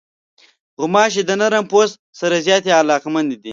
غوماشې د نرم پوست سره زیاتې علاقمندې دي.